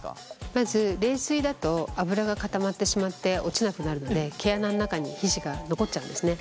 まず冷水だと脂が固まってしまって落ちなくなるので毛穴の中に皮脂が残っちゃうんですね。